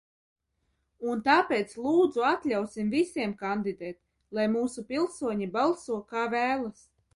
Un tāpēc, lūdzu, atļausim visiem kandidēt, lai mūsu pilsoņi balso, kā vēlas.